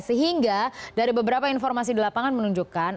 sehingga dari beberapa informasi di lapangan menunjukkan